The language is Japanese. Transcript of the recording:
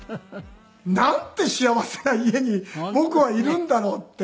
なんて幸せな家に僕はいるんだろうって。